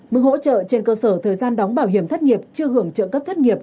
mức hỗ trợ trên cơ sở thời gian đóng bảo hiểm thất nghiệp chưa hưởng trợ cấp thất nghiệp